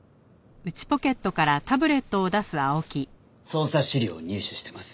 捜査資料を入手してます。